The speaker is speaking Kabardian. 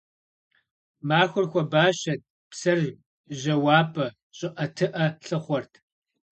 Махуэр хуабащэт, псэр жьауапӀэ, щӀыӀэтыӀэ лъыхъуэрт.